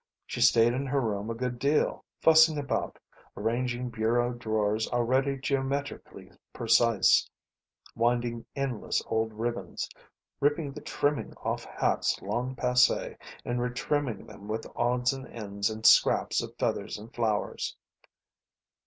She stayed in her room a good deal, fussing about, arranging bureau drawers already geometrically precise, winding endless old ribbons, ripping the trimming off hats long passé and re trimming them with odds and ends and scraps of feathers and flowers.